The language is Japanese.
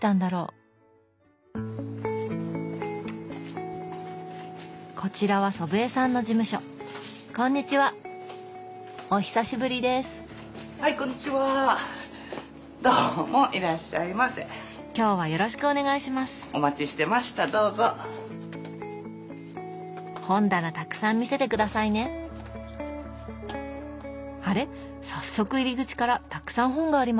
早速入り口からたくさん本がありますね。